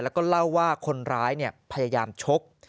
แล้วก็เล่าว่าคนร้ายพยายามชก